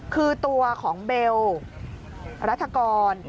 คือตัวของเบลรัฐกร